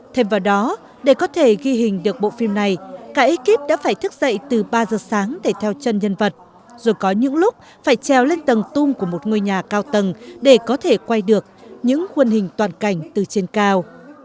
thêm vào đó để có thể ghi hình được bộ phim này cả ekip đã phải thức dậy từ ba giờ sáng để theo chân nhân vật rồi có những lúc phải trèo lên tầng tung của một ngôi nhà cao tầng để có thể quay được những khuôn hình toàn cảnh từ trên cao